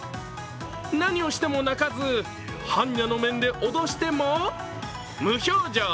何をしても泣かず般若の面で脅しても無表情。